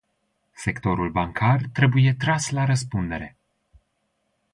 Sectorul bancar trebuie tras la răspundere.